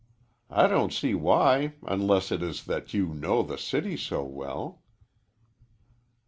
I don't see why, unless it is that you know the city so well."